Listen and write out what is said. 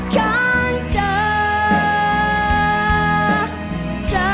ของเธอ